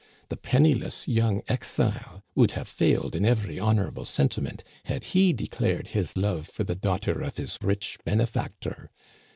The penniless young exile would have failed in every honor able sentiment had he declared his love for the daughter of his rich benefactor.